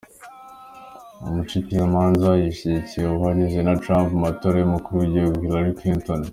Uwo mushikirizamanza yashigikiye uwuhanganye na Trump mu matora y’umukuru w’igihugu, Hillary Clinton.